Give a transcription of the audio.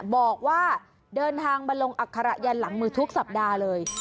บอกว่าเดินทางมาลงอัคระยันหลังมือทุกสัปดาห์เลย